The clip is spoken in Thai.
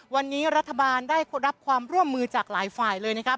วันนี้รัฐบาลได้รับความร่วมมือจากหลายฝ่ายเลยนะครับ